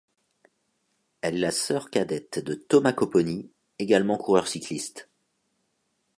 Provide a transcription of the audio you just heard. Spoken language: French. Elle est la sœur cadette de Thomas Copponi, également coureur cycliste.